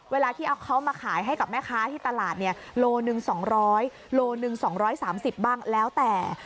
เวลาที่เอาเขามาขายให้กับแม่ค้าที่ตลาดเนี่ยโลหนึ่ง๒๐๐โลหนึ่ง๒๓๐บ้างแล้วแต่